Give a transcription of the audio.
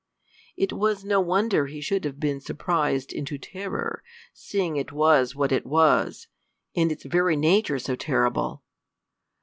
It was no wonder he should have been surprised into terror, seeing it was what it was in its very nature so terrible!